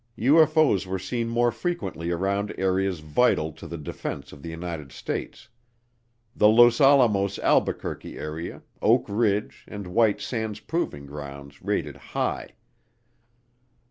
UFO's were seen more frequently around areas vital to the defense of the United States. The Los Alamos Albuquerque area, Oak Ridge, and White Sands Proving Ground rated high.